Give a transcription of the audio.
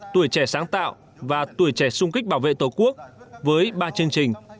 tuổi trẻ sáng tạo và tuổi trẻ sung kích bảo vệ tổ quốc với ba chương trình